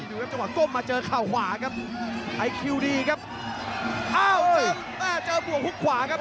ดูครับจังหวะก้มมาเจอข่าวขวาครับไอคิวดีครับอ้าวซึ่งแม่เจอบวกฮุกขวาครับ